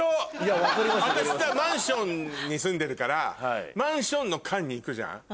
私さマンションに住んでるからマンションの管に行くじゃん。